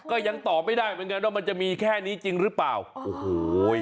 โอ้ยมันจะมีแค่นี้จริงหรือเปล่าไว้ก็ตอบไม่ได้